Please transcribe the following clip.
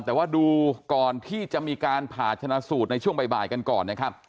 แต่ว่าดูก่อนที่จะมีการผ่าชนะสูตรในช่วงบ่ายกันก่อนนะครับ